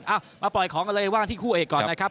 เอามาปล่อยของกันเลยว่างที่คู่เอกก่อนนะครับ